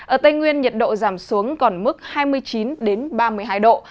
ở tây nguyên nhiệt độ giảm xuống còn mức hai mươi chín ba mươi hai độ